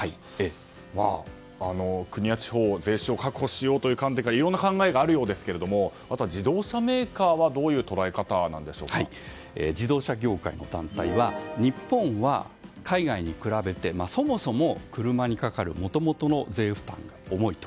国や地方は税収を確保しようという観点からいろいろな意見があるそうですが自動車メーカーは自動車業界の団体は日本に海外に比べてそもそも車にかかるもともとの税負担が重いと。